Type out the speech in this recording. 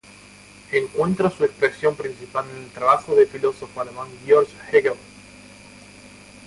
Encuentra su expresión principal en el trabajo del filósofo alemán Georg Hegel.